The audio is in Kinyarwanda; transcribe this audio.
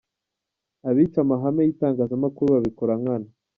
Abica amahame y’itangazamakuru babikora nkana.